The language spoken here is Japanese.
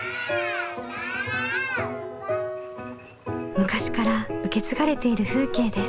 昔から受け継がれている風景です。